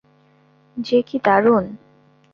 যে-- কি দারুন!